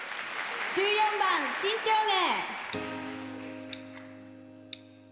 １４番「沈丁花」。